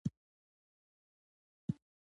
دا پیرودونکی ډېر مؤدب دی.